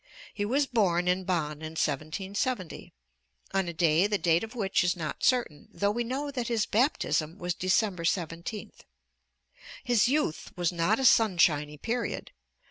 He was born in Bonn in 1770, on a day the date of which is not certain (though we know that his baptism was December 17th). His youth was not a sunshiny period.